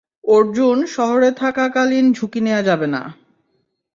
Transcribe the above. অর্জুন শহরে থাকা কালিন ঝুঁকি নেয়া যাবে না।